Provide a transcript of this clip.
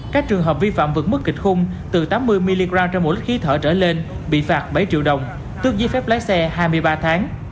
các trường hợp vi phạm vượt mức kịch khung từ tám mươi mg trên một lít khí thở trở lên bị phạt bảy triệu đồng tước giấy phép lái xe hai mươi ba tháng